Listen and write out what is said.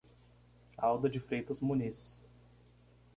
Alda de Freitas Muniz